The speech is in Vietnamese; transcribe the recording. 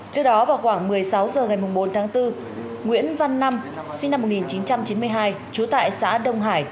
trước đó vào khoảng một mươi sáu h ngày bốn tháng bốn nguyễn văn năm sinh năm một nghìn chín trăm chín mươi hai trú tại xã đông hải